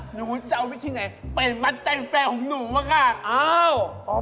หนูจะเอาไปที่ไหนเป็นมัธยันทร์แฟนของหนูนะครับ